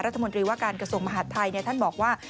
รัฐมนตรีว่าการกระทรวงมหาดไทยท่านบอกว่า